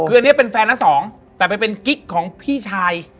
คืออันนี้เป็นแฟนน้าสองแต่ไปเป็นกิ๊กของพี่ชาย